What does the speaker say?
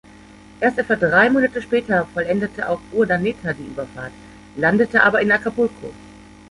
Erst etwa drei Monate später vollendete auch Urdaneta die Überfahrt, landete aber in Acapulco.